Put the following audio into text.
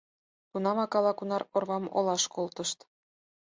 Тунамак ала-кунар орвам олаш колтышт.